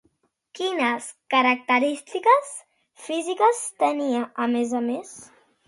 Quines característiques físiques tenia, a més a més?